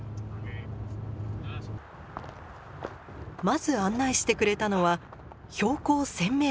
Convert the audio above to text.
まず案内してくれたのは標高１，０００ｍ。